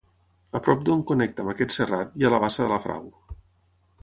A prop d'on connecta amb aquest serrat hi ha la Bassa de la Frau.